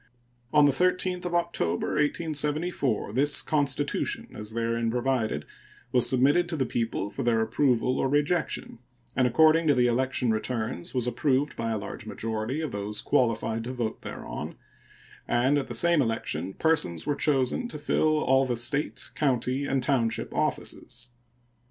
On the 13th of October, 1874, this constitution, as therein provided, was submitted to the people for their approval or rejection, and according to the election returns was approved by a large majority of those qualified to vote thereon; and at the same election persons were chosen to fill all the State, county, and township offices.